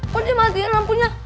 kok dia matiin lampunya